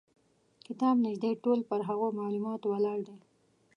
کتاب نیژدې ټول پر هغو معلوماتو ولاړ دی.